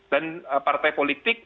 dan partai politik